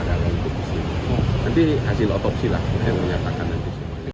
nanti hasil otopsi lah yang menyatakan nanti